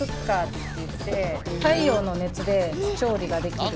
太陽の熱で調理ができる。